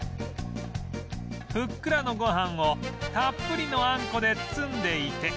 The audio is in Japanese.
ふっくらのご飯をたっぷりのあんこで包んでいて